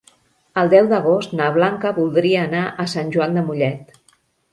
El deu d'agost na Blanca voldria anar a Sant Joan de Mollet.